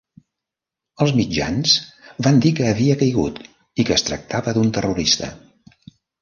Els mitjans van dir que havia caigut i que es tractava d'un terrorista.